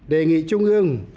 đề nghị trung ương